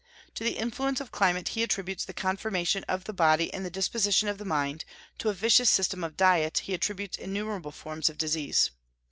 To the influence of climate he attributes the conformation of the body and the disposition of the mind; to a vicious system of diet he attributes innumerable forms of disease.